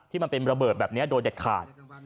มันเป็นระเบิดแบบนี้โดยเด็ดขาด